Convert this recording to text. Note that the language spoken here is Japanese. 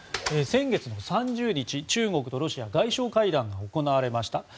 先月３０日、中国とロシアの外相会談が行われました。